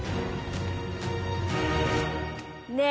ねえ！